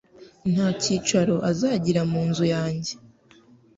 nta cyicaro azagira mu nzu yanjye